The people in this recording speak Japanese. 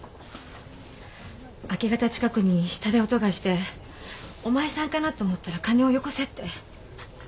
明け方近くに下で音がしてお前さんかなって思ったら「金をよこせ」って。